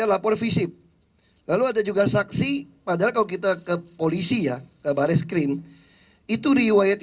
lapor visi lalu ada juga saksi padahal kalau kita ke polisi ya kabare screen itu riwayat